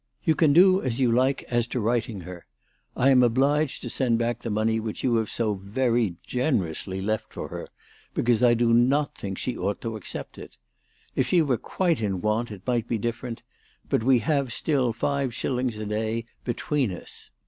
" You can do as you like as to writing to her. I am obliged to send back the money which you have so very generously left for her, because I do not think she ought to accept it. If she were quite in want it might be different, but we have still five shillings a day between us.